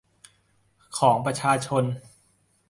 ของประชาชน